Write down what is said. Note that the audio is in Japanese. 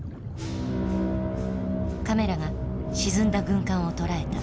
カメラが沈んだ軍艦を捉えた。